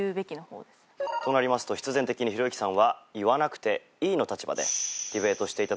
となりますと必然的にひろゆきさんは言わなくていいの立場でディベートして頂く事になります。